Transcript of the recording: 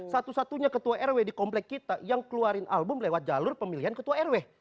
satu satunya ketua rw di komplek kita yang keluarin album lewat jalur pemilihan ketua rw